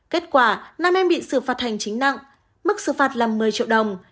kết quả năm em bị xử phạt hành chính nặng mức xử phạt là một mươi triệu đồng